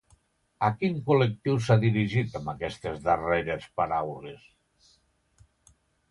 A quin col·lectiu s'ha dirigit amb aquestes darreres paraules?